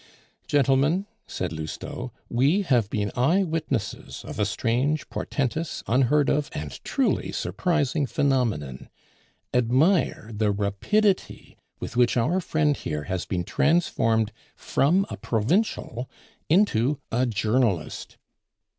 "Gentlemen," said Lousteau, "we have been eye witnesses of a strange, portentous, unheard of, and truly surprising phenomenon. Admire the rapidity with which our friend here has been transformed from a provincial into a journalist!"